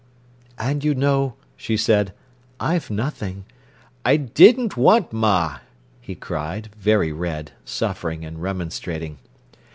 "And you know," she said, "I've nothing—" "I didn't want, ma!" he cried, very red, suffering and remonstrating.